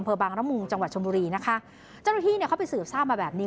อัมพบังรัมมูลจังหวัดชมฤรีนะคะเจ้าหน้าที่ไปสืบสร้างมาแบบนี้